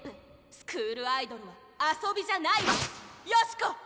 スクールアイドルは遊びじゃないわ善子！